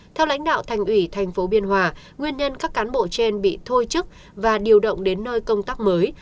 theo lãnh đạo thành ủy thành phố biên hòa nguyên nhân các cán bộ trên bị thôi chức và điều động đến nơi công tác mới